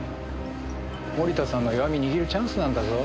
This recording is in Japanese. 森田さんの弱み握るチャンスなんだぞ。